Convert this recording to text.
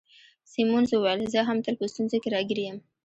سیمونز وویل: زه هم تل په ستونزو کي راګیر یم.